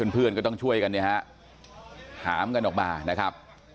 เพื่อนก็ต้องช่วยกันเนี่ยฮะหามกันออกมานะครับ